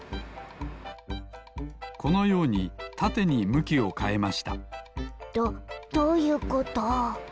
このようにたてにむきをかえましたどどういうこと？